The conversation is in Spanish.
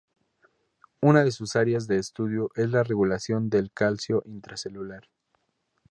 Una de sus áreas de estudio es la regulación del calcio intracelular.